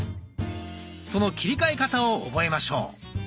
その切り替え方を覚えましょう。